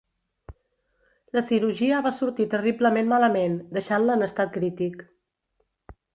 La cirurgia va sortir terriblement malament, deixant-la en estat crític.